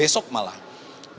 besok langsung membahas kompetensi